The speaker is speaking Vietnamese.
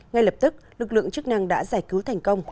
ngay lập tức lực lượng chức năng đã giải cứu thành công